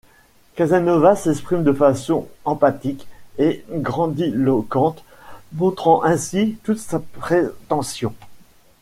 Casanova s'exprime de façon emphatique et grandiloquente, montrant ainsi toute sa prétention.